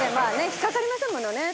引っかかりませんものね。